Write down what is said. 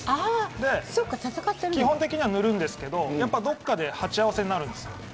基本的には塗るんですけどどこかで鉢合わせになるんです。